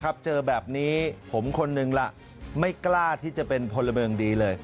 เจอแบบนี้ผมคนหนึ่งล่ะไม่กล้าที่จะเป็นพลเมิงดีเลย